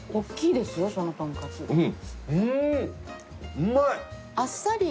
うまい！